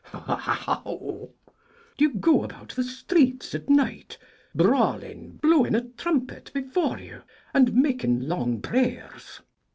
Do you go about the streets at night, brawling, blowing a trumpet before you, and making long prayers?